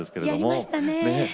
やりましたねえ。